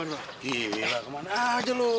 gini mbak kemana aja lu